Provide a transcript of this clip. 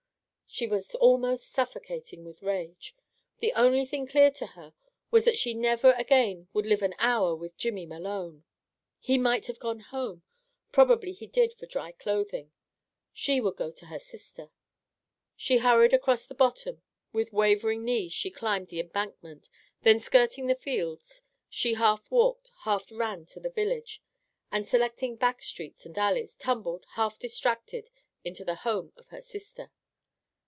She was almost suffocating with rage. The only thing clear to her was that she never again would live an hour with Jimmy Malone. He might have gone home. Probably he did go for dry clothing. She would go to her sister. She hurried across the bottom, with wavering knees she climbed the embankment, then skirting the fields, she half walked, half ran to the village, and selecting back streets and alleys, tumbled, half distracted, into the home of her sister.